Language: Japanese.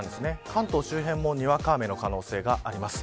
関東周辺もにわか雨の可能性があります。